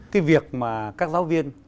cái việc mà các giáo viên